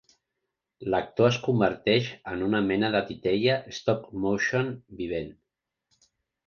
L'actor es converteix en una mena de titella stop-motion vivent.